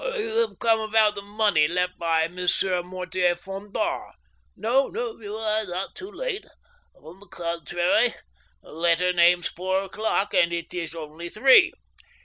" You have come about the money left by Monsieur Mortier Fqndard ? No, you are not too late. On the contrary, the letter jiames four o'clock, and it is only three.